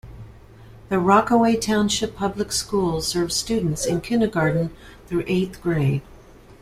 The Rockaway Township Public Schools serves students in kindergarten through eighth grade.